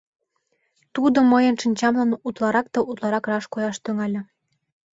Тудо мыйын шинчамлан утларак да утларак раш кояш тӱҥале.